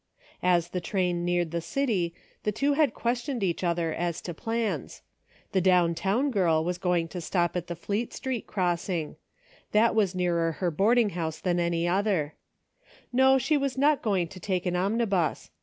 As the train neared the city, the two had ques tioned each other as to plans. The down town girl was going to stop at the Fleet Street Crossing ; that was nearier her boarding house than any other. CIRCLES WITHIN CIRCLES. 3O5 No, she was not going to take an omnibus.